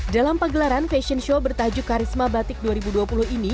dalam pagelaran fashion show bertajuk karisma batik dua ribu dua puluh ini